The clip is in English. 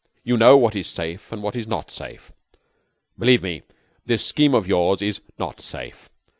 You know what is safe and what is not safe. Believe me, this scheme of yours is not safe.